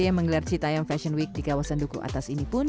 yang menggelar citayam fashion week di kawasan duku atas ini pun